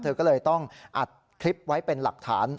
เธอก็เลยต้องอัดคลิปไว้เป็นหลักฐาน